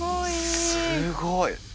すごい。